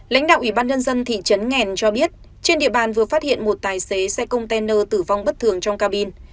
lãnh đạo ủy ban nhân dân thị trấn nghèn cho biết trên địa bàn vừa phát hiện một tài xế xe container tử vong bất thường trong cabin